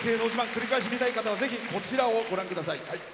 繰り返し見たい方はぜひこちらをご覧ください。